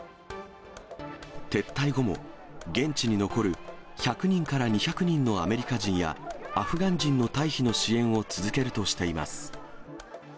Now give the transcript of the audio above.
撤退後も現地に残る１００人から２００人のアメリカ人や、アフガン人の退避の支援を続けるとしています。